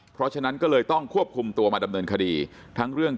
เพราะฉะนั้นก็เลยต้องควบคุมตัวมาดำเนินคดีทั้งเรื่อง